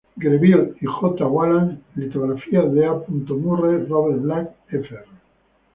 Greville, y J. Wallace, litografías de A. Murray, Robert Black, Fr.